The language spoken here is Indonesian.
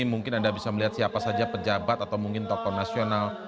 mungkin anda bisa melihat siapa saja pejabat atau mungkin tokoh nasional